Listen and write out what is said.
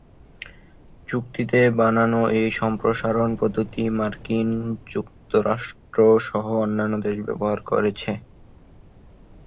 চুক্তিতে বানানো এই সম্প্রসারণ পদ্ধতি মার্কিন যুক্তরাষ্ট্র সহ অন্যান্য দেশ ব্যবহার করেছে।